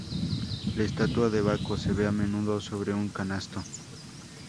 La estatua de Baco se ve a menudo sobre un canasto.